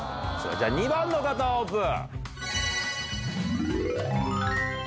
じゃあ、２番の方オープン。